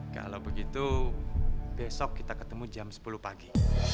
kalau begitu besok kita ketemu jam sepuluh pagi